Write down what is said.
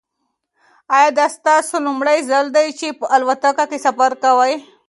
ایا دا ستاسو لومړی ځل دی چې په الوتکه کې سفر کوئ؟